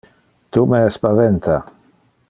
Tu me espaventa.